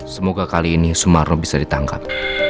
semoga kali ini sumarno bisa ditangkap